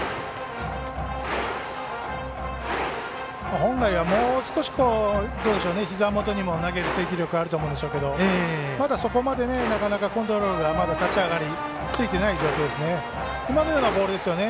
本来は、もう少しひざ元に投げる制球力があるでしょうけどまだそこまでなかなかコントロールがまだ立ち上がりついてない状況ですね。